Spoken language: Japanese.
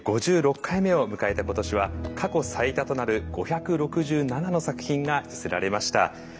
５６回目を迎えた今年は過去最多となる５６７の作品が寄せられました。